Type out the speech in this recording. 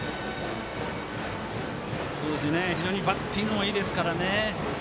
非常にバッティングもいいですからね。